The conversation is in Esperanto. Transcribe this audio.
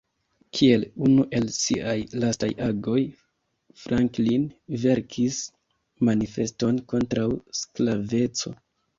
Kiel unu el siaj lastaj agoj, Franklin verkis manifeston kontraŭ sklaveco.